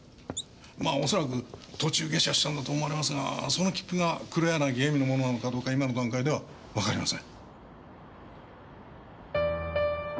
まあ恐らく途中下車したんだと思われますがその切符が黒柳恵美のものなのかどうか今の段階ではわかりません。